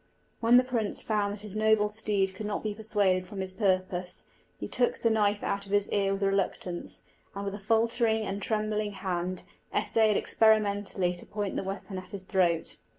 When the prince found that his noble steed could not be persuaded from his purpose, he took the knife out of his ear with reluctance, and with a faltering and trembling hand essayed experimentally to point the weapon at his throat.